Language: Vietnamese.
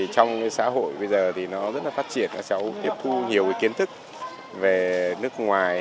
trong xã hội bây giờ nó rất phát triển các cháu tiếp thu nhiều kiến thức về nước ngoài